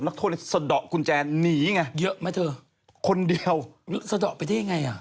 โทษเลยสะดอกกุญแจหนีไงเยอะไหมเธอคนเดียวหรือสะดอกไปได้ยังไงอ่ะ